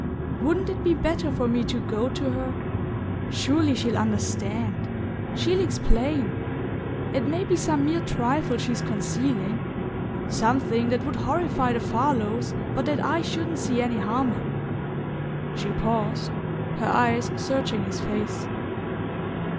Wouldn't it be better for me to go to her? Surely she'll understand she'll explain... It may be some mere trifle she's concealing: something that would horrify the Farlows, but that I shouldn't see any harm in..." She paused, her eyes searching his face.